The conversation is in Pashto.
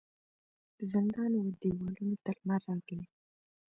د زندان و دیوالونو ته لمر راغلی